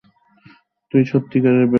তুই সত্যিকারেই বেকুব।